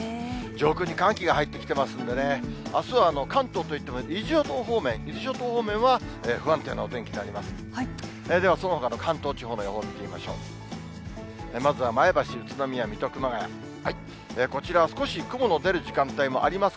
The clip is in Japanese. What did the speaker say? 上空に寒気が入ってきてますんでね、あすは関東といっても伊豆諸島方面、伊豆諸島方面は不安定なお天気となります。